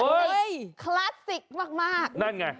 คลาสสิกมากนั่นไง